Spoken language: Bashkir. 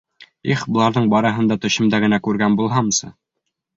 Их, быларҙың барыһын да төшөмдә генә күргән булһамсы!